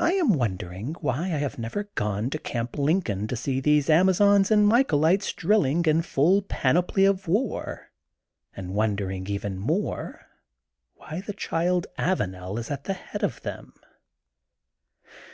I am wonder ing why I have never gone to Camp Lincoln to see these Amazons and Michaelites drill ing in full panoply of war and wondering even more why the child Avanel is at the head of them.